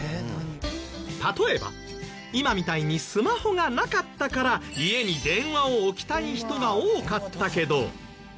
例えば今みたいにスマホがなかったから家に電話を置きたい人が多かったけど。